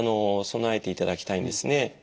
備えていただきたいんですね。